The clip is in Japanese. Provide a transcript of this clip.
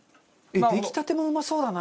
出来たてもうまそうだな。